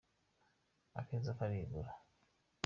Akeza karigura.